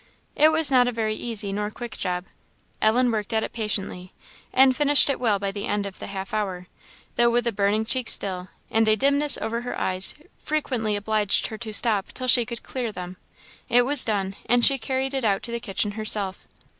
It was not a very easy nor quick job. Ellen worked at it patiently, and finished it well by the end of the half hour; though with a burning cheek still; and a dimness over her eyes frequently obliged her to stop till she could clear them. It was done, and she carried it out to the kitchen herself.